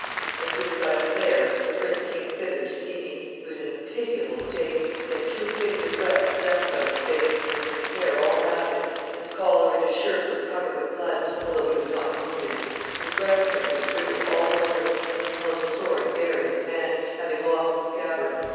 As soon as I was there, the prince came thither to see me; he was in a pitiable state; he had two fingers' breadth of dust on his face, and his hair all matted; his collar and his shirt were covered with blood, although he was not wounded; his breastplate was riddled all over; and he held his sword bare in his hand, having lost the scabbard.